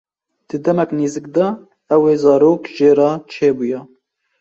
Di demeke nêzik de ew ê zarokek jê re çêbûya.